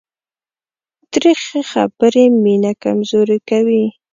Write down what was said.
تریخې خبرې مینه کمزورې کوي.